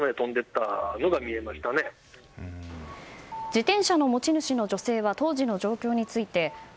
自転車の持ち主の女性は当時の状況について。